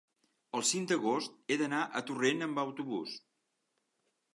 el cinc d'agost he d'anar a Torrent amb autobús.